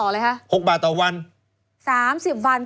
คุณนิวจดไว้หมื่นบาทต่อเดือนมีค่าเสี่ยงให้ด้วย